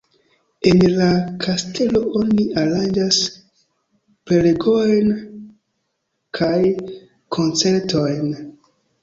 En la kastelo oni aranĝas prelegojn kaj koncertojn.